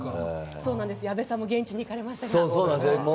矢部さんも現地に行かれましたが。